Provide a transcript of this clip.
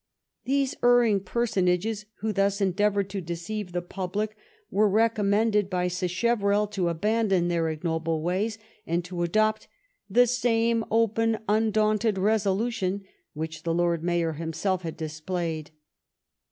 These erring personages who thus en deavored to deceive the public were recommended by Sacheverell to abandon their ignoble ways, and to adopt " the same open undaunted resolution " which the Lord Mayor himself had displayed.